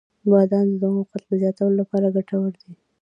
• بادام د زغم او قوت د زیاتولو لپاره ګټور دی.